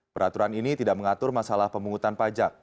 peraturan ini tidak mengatur masalah pemungutan pajak